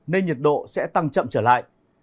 nên nhiệt độ sẽ tăng chậm trở lại